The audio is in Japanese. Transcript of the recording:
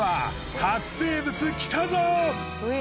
初生物来たぞ！